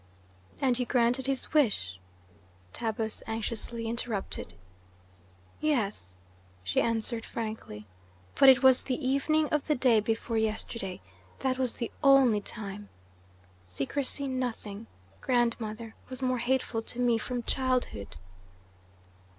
"And you granted his wish?" Tabus anxiously interrupted. "Yes," she answered frankly, "but it was the evening of the day before yesterday that was the only time. Secrecy nothing, Grand mother, was more hateful to me from childhood."